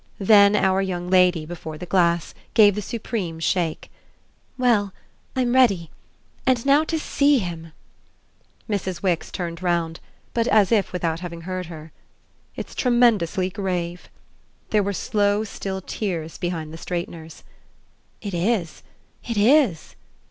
Then our young lady, before the glass, gave the supreme shake. "Well, I'm ready. And now to SEE him!" Mrs. Wix turned round, but as if without having heard her. "It's tremendously grave." There were slow still tears behind the straighteners. "It is it is."